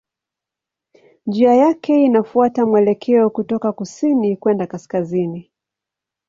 Njia yake inafuata mwelekeo kutoka kusini kwenda kaskazini.